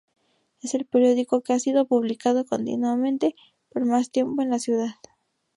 Es el periódico que ha sido publicado continuamente por más tiempo en la ciudad.